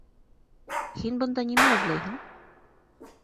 Һин бында нимә эҙләйһең?